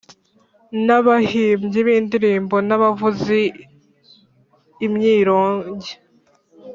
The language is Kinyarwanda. n abahimbyi b indirimbo n abavuza imyironge